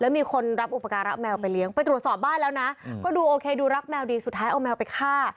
มีคนรับอุปการะแมวไปเลี้ยงไปตรวจสอบบ้านแล้วนะก็ดูโอเคดูรักแมวดีสุดท้ายเอาแมวไปฆ่า